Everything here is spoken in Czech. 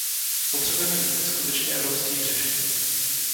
Potřebujeme více skutečně evropských řešení.